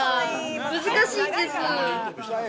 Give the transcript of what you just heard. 難しいんです。